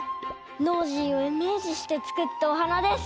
ノージーをイメージしてつくったおはなです。